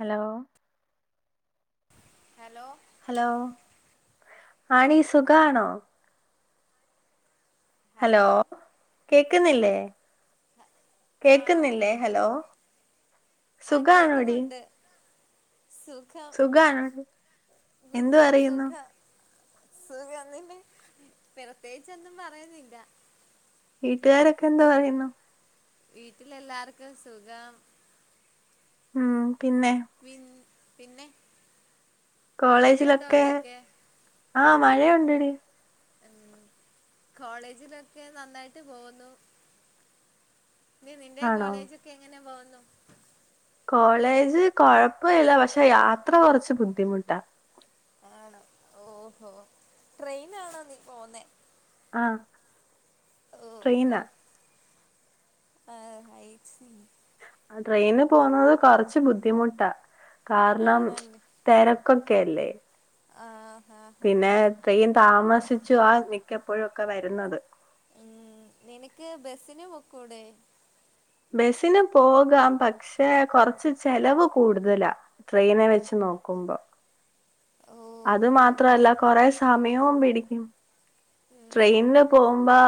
Hello hello hello ആണീ സുഖ ആണോ ഹലോ കേക്ക്ന്നില്ലേ. കേക്ക്ന്നില്ലെ ഹലൊ. ആഹ് കേക്കുന്നുണ്ട്. സുഖം. വിന്നെ സുഖം. [unintelligible] [unintelligible] പ്രത്തേകിച്ചൊന്നും പറയുന്നില്ല. വീട്ടുകാരൊക്കെ എന്താ പറയുന്നു. വീട്ടിലെല്ലാർക്കും സുഖം. ഉം. പിന്നെ വിൻ പിന്നെ. കോളേജിലൊക്കെ ആഹ് മഴയുണ്ടടി. ഉം. കോളേജിലൊക്കെ നന്നായിട്ട് പോകുന്നു. നി നിന്റെ കോളേജൊക്കെ എങ്ങനെ പോകുന്നു. കോളേജ് കൊഴപ്പ ഇല്ല. പക്ഷെ യാത്ര കൊറച്ച് ബുദ്ധിമുട്ടാ. ആണൊ. ഓഹോ ട്രെയിനാണോ നീ പോകുന്നേ. ആഹ് ഓഹോ. ആ ആ ട്രെയിന് പോകുന്നത് കൊറച്ച് ബുദ്ധിമുട്ടാ. കാരണം. തെരക്കൊക്കെ അല്ലേ. ആഹ് ഹാ പിന്നെ താമസിച്ചു ആ നിക്കപ്പോഴു ഒക്കെ വരുന്നത്. ഉം. നിനക്ക് ബസിന് പോക്കൂടെ. ബെസിന് പോകാം. പക്ഷെ കൊറച്ച് ചെലവ് കൂടുതലാ. ട്രെയിനെ വെച്ച് നോക്കുമ്പം. അത് മാത്രല്ല. കൊറെ സമയവും പിടിക്കും. ഉം ട്രെയിൻല് പോകുമ്പോ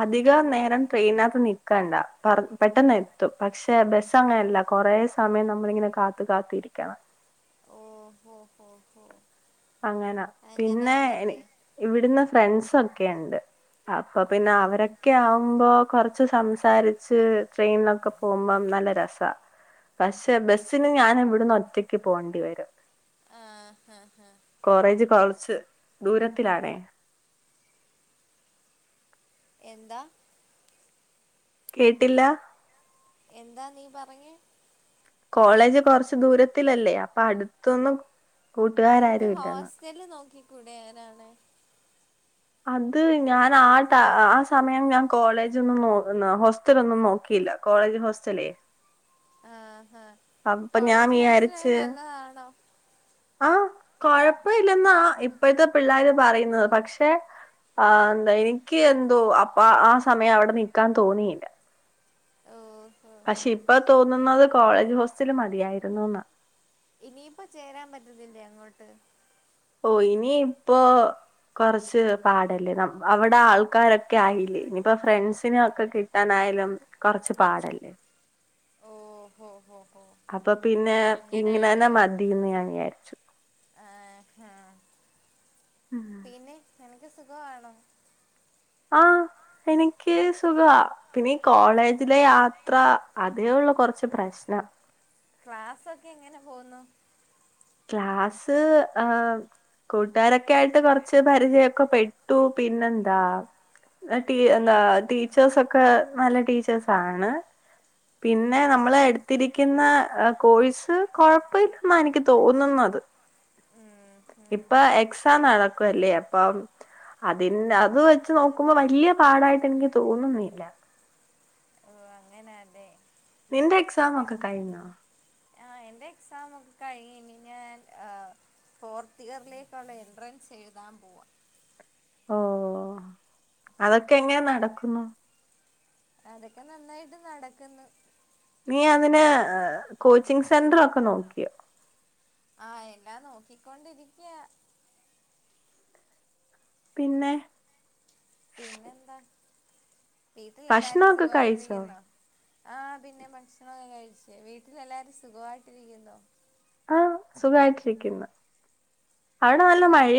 അധികം നേരം ട്രെയിനകത്ത് നൽക്കണ്ട. പറ പെട്ടെന്ന് ത്തുംപക്ഷെ ബസ് അങ്ങനെയല്ല കൊറെേ സമയം നമ്മളിങ്ങനെ കാത്ത്. കാത്ത് ഇരിക്കണം. ഓഹ്. ഓഹ് ഓ ഹ് ഓഹോ അങ്ങനാ. പിന്നെ ഇവിടുന്ന് ഫ്രണ്ട്സൊക്കെ ഇണ്ട്. അപ്പ പിന്നെ അവരെ ഒക്കെ ആവുമ്പോ കൊറ്ച്ച് സംസാരിച്ച് ട്രെയിനിലൊക്കെ പോകുമ്പോം നല്ല രസ്വ പക്ഷെ ബെസ്സിന് ഞാനും ഇവിട്ന്ന് ഒറ്റയ്ക്ക് പോകേണ്ടി വെരും. ആഹ്ഹ ആഹ്. കോളേജ് കൊളച്ച് ദൂരത്തിലാണെ. എന്താ കേട്ടില്ല എന്താ നീ പറഞ്ഞെ കോളേജ് കൊറച്ച് ദൂരത്തിലല്ലെ. അപ്പൊ അടുത്തൊന്നും. എനിക്ക് ഹോസ്റ്റല് നോക്കിക്കൂടെ എങ്ങനാണ്. അത്. ഞാൻ ആ ആ സമയം ഞാൻ കോളേജ് ഒന്നും ഹോസ്റ്റലൊന്നും നോക്കിയില്ല. കോളേജ് ഹോസ്റ്റലെ. ആഹ് ഹഹ കോളേജ് ഹോസ്റ്റല് നല്ലതാണോ ആ കൊഴപ്പ ഇല്ലെന്നാ ഇപ്പോഴത്തെ പിള്ളേര്. പറയുന്നത്. പക്ഷെ. ആ എനിക്ക് എന്താ അപ്പ ആ സമയം അവിടെ നിക്കാൻ തോന്നിയില്ല. പക്ഷെ ഇപ്പ തോന്നുന്നത് കോളേജ് ഹോസ്റ്റല് മതിയായിരുന്നു എന്നാ ഇനിയിപ്പ ചേരാൻ പറ്റത്തില്ലേ അങ്ങോട്ട് ഓ ഇനി ഇപ്പൊ കുറച്ച് പാടല്ലേ നമ്മഅവിടെ ആൾക്കാരൊക്കെ ആയില്ലേ ഇനിയിപ്പോ ഫ്രണ്ട്സിനൊക്കെ കിട്ടി ട്ടാനായാലും കുറച്ച് പാടല്ലേ? ഓഹോ ഹോ, അപ്പൊ പിന്നെ ഇങ്ങനെന്നെ മതിന്ന് ഞാൻ വിചാരിച്ചു ആഹ് ഹാ പിന്നെ നിനക്ക് സുഖമാണോ? ആഹ് എനിക്ക് സുഖവാ പിന്നെ കോളേജിലെ യാത്ര അതേ ഉള്ളു കുറച്ച് പ്രശ്നം ക്ലാസ്സൊക്കെ എങ്ങനെ പോകുന്നു ക്ലാസ് ആഹ് കൂട്ടുകാരൊക്കെ ആയിട്ട് കൊറച്ച് പരിചയൊക്കെ പെട്ടു പിന്നെന്താ ടീ എന്താ ടീച്ചേഴ്സ് ഒക്കെ നല്ല ടീച്ചേഴ്സ് ആണ് പിന്നെ നമ്മള് എടുത്തിരിക്കുന്ന കോഴ്സ് കൊഴപ്പില്ലെന്ന എനിക്ക് തോന്നുന്നത് ഇപ്പൊ എക്സാം നടക്കു അല്ലേ അപ്പൊ അതി അത് വെച്ച് നോക്കുമ്പോ വലിയ പാടായിട്ട് എനിക്ക് തോന്നുന്നില്ല ഓഹ് അങ്ങനാല്ലെ നിന്റെ എക്സാം ഒക്കെ കഴിഞ്ഞൊ? ന്റെ എക്സാം ഒക്കെ കഴ്ഞ്ഞ് ഞാൻ ആഹ് ഫോർത്ത് ഇയറിലേക്കുള്ള എൻട്രൻസ് എഴുതാൻ പോവാ ഓഹ് അതൊക്കെ എങ്ങനെ നടക്കുന്നു? അതൊക്കെ നന്നായിട്ട് നടക്കുന്നു നീ അതിന് കോച്ചിങ് സെന്റർ ഒക്കെ നോക്കിയോ? ആഹ് എല്ലാം നോക്കിക്കൊണ്ടിരിക്കയാ പിന്നെ, പിന്നെന്താ വീട്ടിലെല്ലാരും സുഖായിട്ടിരിക്കുന്നോ? ആഹ് പിന്നെ ഭക്ഷണൊക്കെ കഴിച്ച് വീട്ടിലെല്ലാരും സുഖമായിട്ടിരിക്കുന്നോ ആഹ് സുഖായിട്ടിരിക്കുന്നു പിന്നെ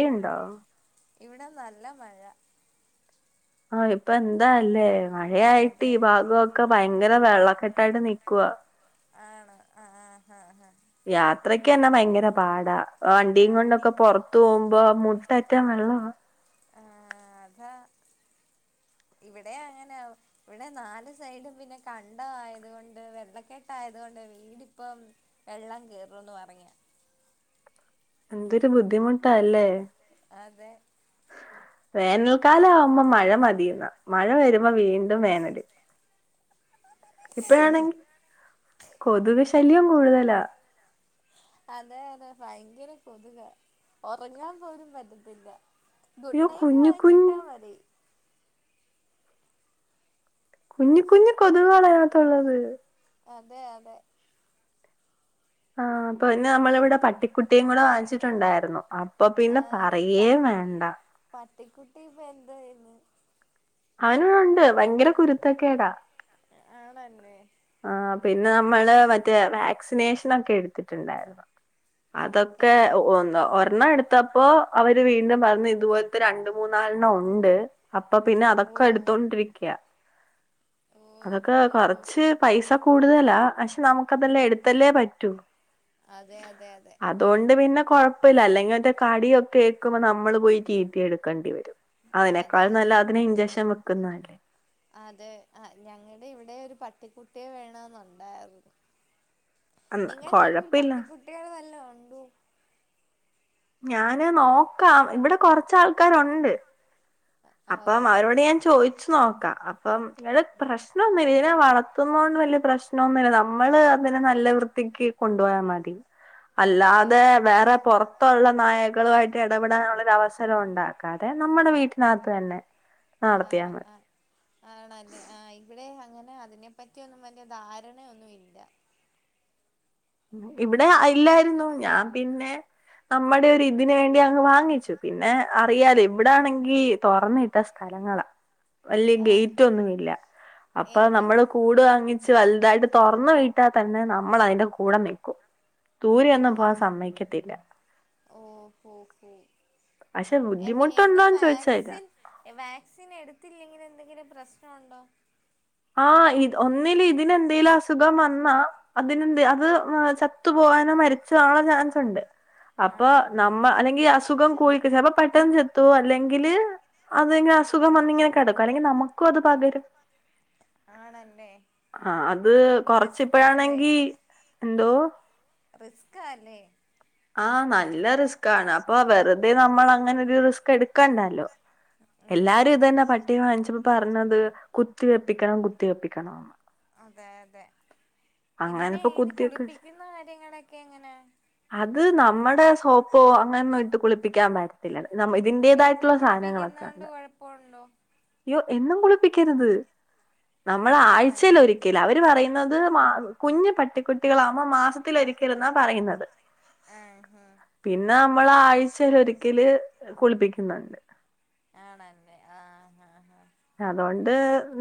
ഇവിടെ നല്ല മഴ ആഹ് ഇപ്പ എന്താല്ലേ? മഴയായിട്ട് ഈ ഭാഗമൊക്കെ ഭയങ്കര വെള്ളക്കെട്ടായിട്ട് നിൽക്കുവാ ആണോ ആഹ് ആഹ ഹാ യാത്രക്കെന്നെ ഭയങ്കര പാടാ വണ്ടീം കൊണ്ടൊക്കെ പൊറത്ത് തോമ്പോ മുട്ടെറ്റം വെള്ളമാ ആഹ് അതാ ഇവിടെ അങ്ങനെയാ ഇവിടെ നാല് സൈഡും പിന്നെ കണ്ടം ആയത് കൊണ്ട് വെള്ളക്കെട്ടായത് കൊണ്ട് വീടിപ്പം വെള്ളം കേറൂന്ന് പറഞ്ഞു എന്തൊരു ബുദ്ധിമുട്ടാല്ലേ അതെ, വേനൽക്കാലം ആവുമ്പോ മഴ മതീന്ന മഴ വരുമ്പോ വീണ്ടും വേനല് ഇപ്പഴാണെങ്കിൽ കൊതുക് ശല്യം കൂടുതലാ, അതെ അതെ ഭയങ്കര കൊതുക ഉറങ്ങാൻ പോലും പറ്റത്തില്ല ഗുഡ് നൈറ്റ് വാങ്ങിച്ചിട്ടാ മതി കുഞ്ഞ് കുഞ്ഞ് കൊതുകള അയ്നത്തുള്ളത്. അതെ അതെ. ആഹ് അപ്പൊ പിന്നെ നമ്മളിവിടെ പട്ടിക്കുട്ടിയും കൂടെ വാങ്ങിച്ചിട്ടുണ്ടായിരുന്നു. പ്പൊ പിന്നെ പറയേ വേണ്ട. പട്ടിക്കുട്ടി ഇപ്പൊ എന്താചെയ്ന്ന്? അവന്‌ ഇവടണ്ട് ഭയങ്കര കുരുത്തക്കേടാ. ആണല്ലെ. ആഹ് പിന്നെ നമ്മള് മറ്റേ വാക്സിനേഷനൊക്കെ എട്ത്തിട്ട്ണ്ടായിരുന്നു. അതൊക്കെ ഒന്ന് ഒരെണ്ണം എടു ഇത്തപ്പോ അവര് വീണ്ടും പർഞ്ഞി ഇതുപോൽത്തെ രണ്ട് മൂന്നാൽണം ഉണ്ട്. അപ്പൊ പിന്നെ അതൊക്കെ എ ട്ത്തോണ്ടിരിക്ക്യാ. അതൊക്കെ കൊർച്ച് പൈസ കൂടുതലാ പക്ഷെ നമുക്ക് അതെല്ലെ എട്ത്തല്ലേ പറ്റൂ. അതെ അതെ അതെ. അതോണ്ട് പിന്നെ കൊഴപ്പല്ല അല്ലെങ്കി മറ്റേ കടിയൊക്ക ഏക്കുമ്പോ നമ്മള് പോയി ടീ ടീ ഒക്കെ എട്ക്കേണ്ടി വരും. അയ്നെക്കാൾ നല്ല അതിനെ ഇഞ്ചക്ഷൻ വെക്കുന്നല്ലേ. അതെ ആ ഞങ്ങളിവിടെ ഒരു പട്ടിക്കുട്ടിയെ വേണെന്നുണ്ടാര്ന്നു. നിങ്ങടെ അറിവിൽ പട്ടിക്കുട്ട്യള് വല്ലോം ഉണ്ടോ? ഞാന് നോക്കാം ഇവടെ കൊർച്ചാ ആൾക്കാരുണ്ട്. അപ്പം അവരോട് ഞാൻ ചോയ് ച്ചു നോക്ക അപ്പം വേറെ പ്രശ്നം ഒന്നുമില്ല ഇതിനെ വളർത്തുന്നോണ്ട് വല്ല പ്രശ്നംന്നു നമ്മള് അതിനെ നല്ല വൃത്തിക്ക് കൊണ്ടോയാ മതി അല്ലാതെ വേറെ പൊർ ത്തുള്ള നായകളുമായിട്ട് എടപെടാനുള്ളര അവസരം ഉണ്ടാക്കാതെ നമ്മടെ വീട്ടിനകത്ത് തന്നെ ആഹ് ആഹ്. ആണല്ലേ ആഹ് ഇവിടെ അങ്ങനെ അതിനെപ്പറ്റിയൊന്നും വല്ല്യ ധാരണയൊന്നും ഇല്ല. ഇവിടെ ഇല്ലായിരുന്നു ഞാൻ പിന്നെ നമ്മുടെ ഒരു ഇതിനന് വേണ്ടി അങ്ങ് വാങ്ങിച്ചു. പിന്നെ അറിയാലൊ ഇവിടാണെങ്കി തൊറന്നിട്ട സ്ഥല ഞങ്ങള വല്ല്യ ഗെയ്റ്റൊന്നുംമില്ല അപ്പൊ ഞമ്മള് കൂട് വാങ്ങി ച്ച് വൽതായിട്ട് തൊർന്ന് വീട്ടാൽ തന്നെ നമ്മൾ അയ്ന്റെ കൂടെ നിക്കും. ദൂരെ ഒന്നും പോവാൻ സമ്മയ്ക്കത്തില്ല. എന്നും വാക്സിൻ വാക്സിൻ എടുത്തില്ലെങ്കിൽ എന്തെങ്കിലും പ്രശ്നമുണ്ടോ? ആഹ് ഇ ഒന്നില് ഇതിനെ എന്തേങ്കലും അസുഖം വന്നാ അതിനെന്ത് അത് ചത്തു പോവാനും മരിച്ച് പോവാനും ചാൻസ്ണ്ട്. അപ്പൊ നമ്മ അല്ലെങ്കിൽ അസുഖം [unintelligible] അപ്പ പെട്ടെന്ന് ചത്തോവും അല്ലെങ്കില് അതെന് അസു സുഖം വന്നിങ്ങനെ കെടക്കും അല്ലെങ്കി നമുക്കും അത് പകരും. ആഹ് അത് കൊർച്ച് ഇപ്പഴാണെങ്കി എന്തോ? റിസ്കാല്ലേ? ആഹ് നല്ല റിസ്ക്കാണ് അപ്പൊ വെറ്തെ നമ്മളങ്ങനൊരു റിസ്ക് എട്ക്കാണ്ടല്ലോ. ഉം. എല്ലാരും ഇതന്നെ പട്ടി വാങ്ങിച്ചപ്പോ പർഞ്ഞത് കുത്തി വെപ്പിക്കണം കുത്തി വെപ്പിക്കണോം. അതെ അതെ ഇതിനെ ഇങ്ങനെ കുളിപ്പിക്കുന്ന കാര്യങ്ങളൊക്കെ എങ്ങനെ? അത് നമ്മുടെ സോപ്പോ അങ്ങനെയൊന്നും ഇട്ട് കുളിപ്പിക്ക്യാ ൻ പറ്റത്തില്ല ഇതിന്റേതായിട്ടുള്ള സധ കുപ്പിക്ക്ന്നോണ്ട് കുഴപോണ്ടോ? അയ്യോ എന്നും കുളിപ്പിക്കര്ത് നമ്മള് ആയ്ച്ചേൽ ഒരിക്കെ അവര് പറയുന്നത് മാ കുഞ്ഞു പട്ടിക്കുട്ടികളാകുമ്പോ മാസത്തിലൊരിക്കലെന്നാ പറയ്ന്നത്. പിന്നെ നമ്മള് ആഴ്ചയിൽ ഒരിക്കല് കുളിപ്പിക്കുന്നുണ്ട് ആണല്ലേ ആഹ് ആഹ് ആഹ അതോണ്ട്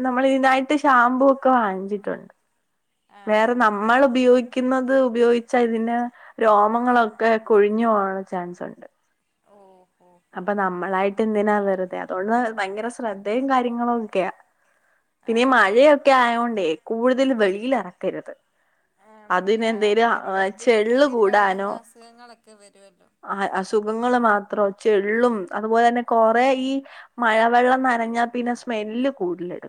നമ്മൾ ഇതിനായിട്ട് ഷാംപൂ ഒക്കെ വാങ്ങിച്ചിട്ടുണ്ട് വേറെ നമ്മൾ ഉപയോഗിക്കുന്നത് ഉപയോഗിച്ചാ ഇതിന് രോമങ്ങളൊ ക്കെ കൊഴിഞ്ഞു പോകാനുള്ള ചാൻസ്ണ്ട് ഓഹ് ഓഹ് അപ്പൊ നമ്മളായിട്ട് എന്തിനാ വെറുതെ അതുകൊണ്ട് ഭയങ്കര ശ്രദ്ധയും കാര്യങ്ങളും ഒക്കെയാ പിന്നെ ഈ മഴയൊക്കെ ആയോണ്ടേ കൂടുതലും വെളിയിൽ ഇറക്കരുത് ആണല്ലേ ആ വെള്ളത്തിൽ കൂടി പകരുന്ന അസുഖങ്ങളൊക്കെ വരുവല്ലോ ആഹ് അസുഖങ്ങള് മാത്രോ ചെള്ളും അതുപോലെ തന്നെ കൊറേ ഈ മഴ വെള്ളം നനഞ്ഞാ പിന്നെ സ്മെല്ല് കൂടുലടു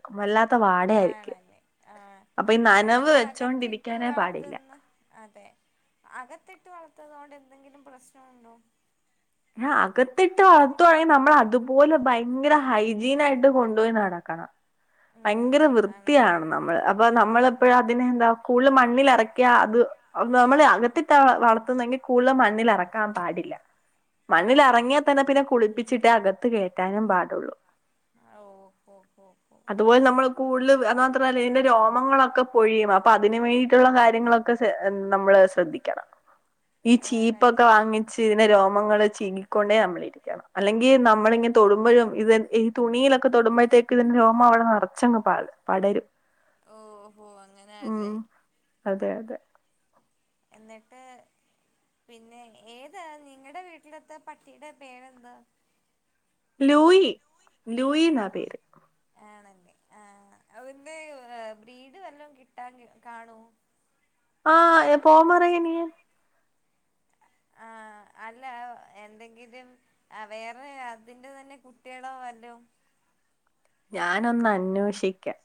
ആണല്ലേ ആഹ് ഇപ്പ ഈ അകത്തിട്ട് വളർത്തുന്ന അതെ അകത്തിട്ട് വളർത്തുന്ന കൊണ്ട് എന്തെങ്കിലും പ്രശ്നമുണ്ടോ? ഏഹ് അകത്തിട്ട് വളർത്തുവാണെങ്കിൽ നമ്മൾ അതുപോലെ ഭയങ്കര ഹൈജീൻ ആയിട്ട് കൊണ്ടുപോയി നടക്കണം ഭയങ്കര വൃത്തിയാവണം നമ്മള് അപ്പൊ നമ്മള് എപ്പഴും അതിനെ എന്താ കൂടുതൽ മണ്ണില് എറക്കിയാ അത് നമ്മള് അകത്തിട്ട വളർത്തുന്നെങ്കിൽ കൂടുതലും മണ്ണില് എറക്കാൻ പാടില്ല മണ്ണിലിറങ്ങിയാൽ തന്നെ പിന്നെ കുളിപ്പിച്ചിട്ടേ അകത്ത് കേറ്റാനും പാടുള്ളൂ ഓഹ് ഓഹ് അതുപോലെ നമ്മള് കൂടുതലും അത് മാത്രമല്ല ഇതിന്റെ രോമങ്ങളൊക്കെ പൊഴിയും അപ്പൊ അതിന് വേണ്ടിയിട്ടുള്ള കാര്യങ്ങളൊ ക്കെ നമ്മള് ശ്രദ്ധിക്കണം ഈ ചീപ്പൊക്കെ വാങ്ങിച്ച് ഇതിനെ രോമങ്ങൾ ചീകിക്കൊണ്ടേ നമ്മളിരിക്കണം അല്ലെങ്കിൽ നമ്മളിങ്ങനെ തൊടുമ്പഴും ഇത് ഈ തുണിയിലൊക്കെ തൊടുമ്പഴത്തേക്ക് ഇതിന് രോ മങ്ങള് നിറച്ചങ്ങ് പാ പടരും ഓഹോ അങ്ങനെയാല്ലേ അതെ അതെ എന്നിട്ട് പിന്നെ ഏതാ നിങ്ങളടെ വീട്ടിലത്തെ പട്ടിയുടെ പേരെന്താ ലൂയി ലൂയി എന്ന പേര് ആണല്ലേ ആഹ് അതിന്റെ ബ്രീഡ് വല്ലോം കിട്ടാൻ കാണോ ആഹ് പോവാൻ പറയ് നീ ആഹ് അല്ല എന്തെങ്കിലും ആഹ് വേറെ അതിന്റെ തന്നെ കുട്ടികള് വല്ലോം ഞാനൊന്ന് അന്വേഷിക്കാം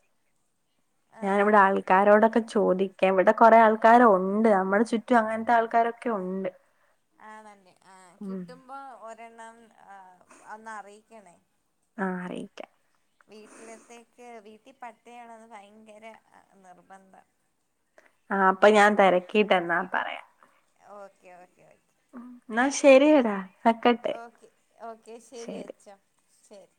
ഞൻ ഇവിടെ ആൾക്കാരോടൊക്കെ ചോദിക്കാം ഇവിടെ കൊറെ ആൾക്കാര് ഉണ്ട് നമ്മുടെ ചുറ്റും അങ്ങനത്തെ ആൾക്കാരൊക്കെ ഉണ്ട് ആണല്ലേ ആഹ് കിട്ടുമ്പോ ഒരെണ്ണം ആഹ് ഒന്ന് അറിയിക്കണേ ആഹ് അറിയിക്കാം വീട്ടിലത്തേക്ക് വീട്ടിൽ പട്ടി വേണോന്ന് ഭയങ്കര നിർബന്ധം ആഹ് അപ്പൊ ഞാൻ തെരക്കിയിട്ട് എന്നാ പറയാം ഓക്കെ ഓക്കെ ഓക്കെ എന്നാ ശെരി എന്നാ ഓക്കെ ഓക്കെ ശരി വച്ചോ ശരി